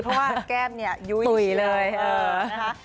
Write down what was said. เพราะว่าแก้มเนี่ยยุ้ยเลยนะคะ